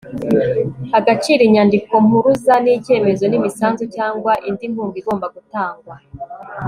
agaciro inyandikompuruza ni icyemezo n imisanzu cyangwa indi nkunga igomba gutangwa